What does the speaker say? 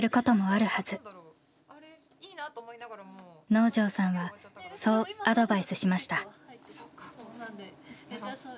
能條さんはそうアドバイスしました。